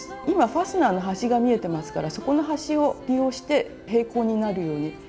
今ファスナーの端が見えてますからそこの端を利用して平行になるように。